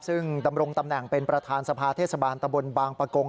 ซึ่งดำรงตำแหน่งเป็นประธานสภาเทศบาลตะบนบางประกง